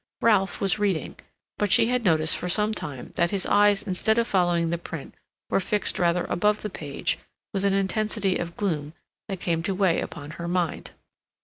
Ralph was reading, but she had noticed for some time that his eyes instead of following the print were fixed rather above the page with an intensity of gloom that came to weigh upon her mind.